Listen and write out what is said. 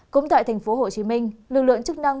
cũng tại tp hcm lực lượng chức năng